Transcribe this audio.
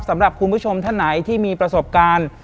สำหรับคุณผู้ชมท่านไหนที่มีประสบการณ์